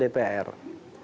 dan para anggota dpr